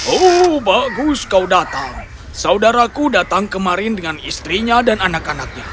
oh bagus kau datang saudaraku datang kemarin dengan istrinya dan anak anaknya